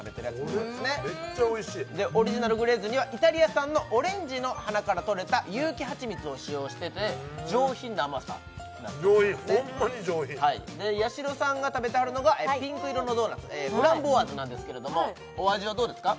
これめっちゃおいしいオリジナルグレーズにはイタリア産のオレンジの花からとれた有機蜂蜜を使用してて上品な甘さなんですって上品ホントに上品やしろさんが食べてはるのがピンク色のドーナツフランボワーズなんですけれどもお味はどうですか？